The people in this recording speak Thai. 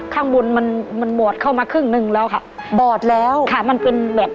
ข้างบนมันมันบอดเข้ามาครึ่งหนึ่งแล้วค่ะบอดแล้วค่ะมันเป็นแบบ